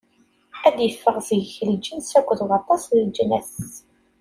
Ad d-iffeɣ seg-k lǧens akked waṭas n leǧnas.